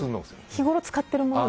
日ごろ使っているもの